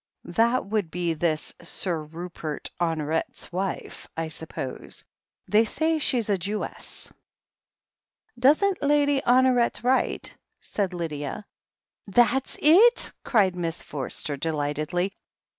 That would be this Sir Rupert Honoret's wife, I suppose. They say she's a Jewess." "Doesn't Lady Honoret write?" said Lydia. "That's itl" cried Miss Forster delightedly.